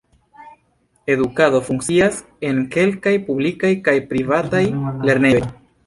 Edukado funkcias en kelkaj publikaj kaj privataj lernejoj.